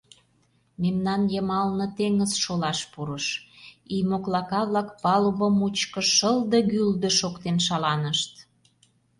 Мемнан йымалне теҥыз шолаш пурыш, ий моклака-влак палуба мучко шылде-гӱлдӧ шоктен шаланышт.